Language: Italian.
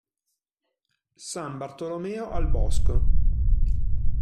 San Bartolomeo al Bosco